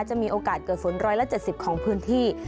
จะมีโอกาสเกิดฝนร้อยละเจ็ดสิบของพื้นที่